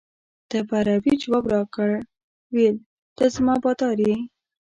ده په عربي جواب راکړ ویل ته زما بادار یې.